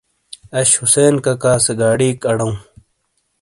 آش حُسین ککا سے گاڈیک اڈوں۔